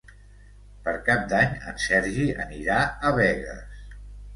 Per Cap d'Any en Sergi anirà a Begues.